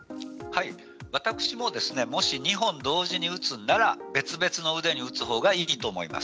私ももし２本同時に打つのなら別々の腕に打つ方がいいと思います。